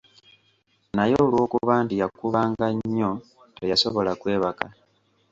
Naye olw'okuba nti yakubanga nnyo, teyasobola kwebaka.